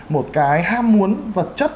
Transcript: một cái ham muốn vật chất